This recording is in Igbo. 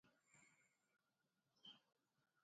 ị mara na ọ bụ ya ga-akpakọrọ ihe niile nna ya nwere